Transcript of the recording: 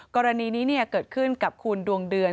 กรณีนี้เกิดขึ้นกับคุณดวงเดือน